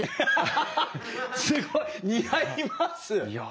すごい！似合います！